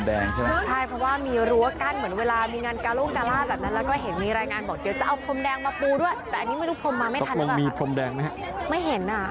แต่อันนี้ไม่รู้พรมมาไม่ทันหรือเปล่าต้องมีพรมแดงไหมฮะไม่เห็นอ่ะ